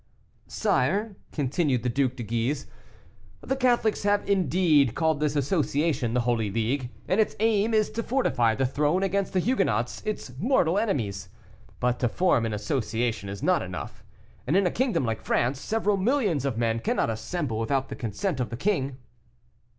"Sire," continued the Duc de Guise, "the Catholics have indeed called this association the Holy League, and its aim is to fortify the throne against the Huguenots, its mortal enemies; but to form an association is not enough, and in a kingdom like France, several millions of men cannot assemble without the consent of the king."